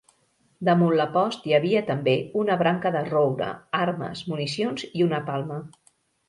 Damunt la post hi havia també una branca de roure, armes, municions i una palma.